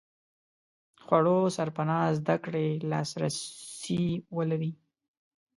خوړو سرپناه زده کړې لاس رسي ولري.